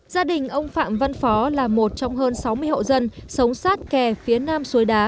gia đình ông phạm văn phó là một trong hơn sáu mươi hộ dân sống sát kè phía nam suối đá